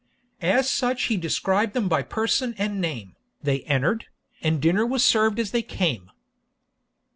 As such he described them by person and name, They enter'd, and dinner was served as they came.